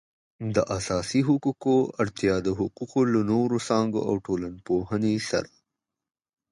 د اساسي حقوقو اړیکه د حقوقو له نورو څانګو او ټولنپوهنې سره